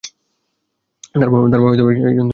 তার বাবা একজন চলচ্চিত্র অভিনেতা ছিলেন।